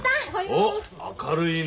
おっ明るいな。